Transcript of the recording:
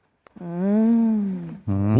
อืม